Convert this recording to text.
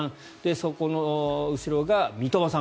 そこの後ろが三笘さん